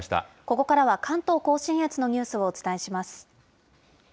ここからは、関東甲信越のニュースをお伝えします。